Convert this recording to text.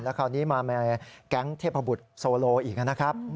คราวนี้มาแก๊งเทพบุตรโซโลอีกนะครับ